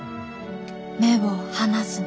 目を離すな。